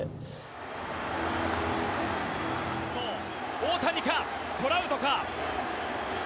大谷か、トラウトか。